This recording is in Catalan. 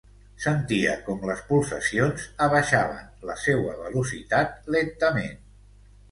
Sentia com les polsacions abaixaven la seua velocitat lentament.